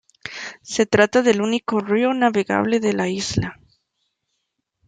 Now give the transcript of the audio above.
Se trata del único río navegable de la isla.